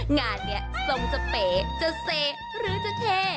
งานนี้ทรงจะเป๋จะเสหรือจะเท